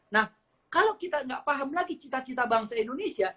nah kalau kita nggak paham lagi cita cita bangsa indonesia